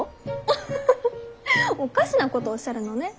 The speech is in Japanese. アハハハハ！おかしなことおっしゃるのね。